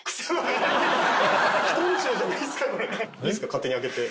勝手に開けて。